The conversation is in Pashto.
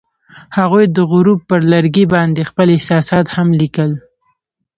هغوی د غروب پر لرګي باندې خپل احساسات هم لیکل.